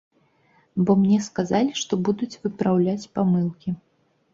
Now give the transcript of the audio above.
Бо мне сказалі, што будуць выпраўляць памылкі.